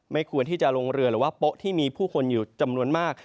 ควรที่จะลงเรือหรือว่าโป๊ะที่มีผู้คนอยู่จำนวนมาก